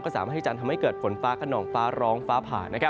สามารถที่จะทำให้เกิดฝนฟ้าขนองฟ้าร้องฟ้าผ่า